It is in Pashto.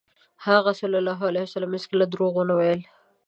هغه ﷺ هېڅکله دروغ ونه ویل.